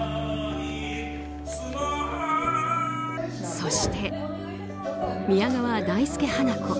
そして、宮川大助・花子